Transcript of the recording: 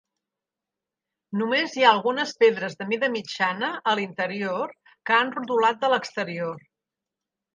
Només hi ha algunes pedres de mida mitjana a l'interior que han rodolat de l'exterior.